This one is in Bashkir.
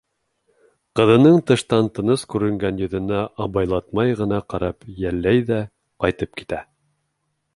Ҡыҙының тыштан тыныс күренгән йөҙөнә абайлатмай ғына ҡарап йәлләй ҙә ҡайтып китә.